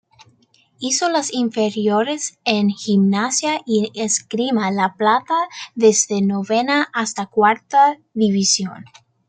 Hizo las inferiores en Gimnasia y Esgrima La Plata desde novena hasta cuarta división.